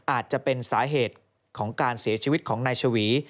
อาจจะเป็นสาเหตุของการเสียชีวิตของนายชวี